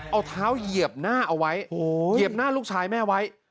เอาเท้าเหยียบหน้าเอาไว้เหยียบหน้าลูกชายแม่ไว้